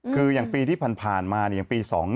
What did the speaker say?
คืออย่างปีที่ผ่านมาเนี่ยปี๒๐๒๑